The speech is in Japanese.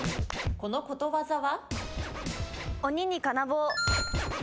このことわざは？